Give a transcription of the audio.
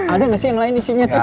ada nggak sih yang lain isinya tuh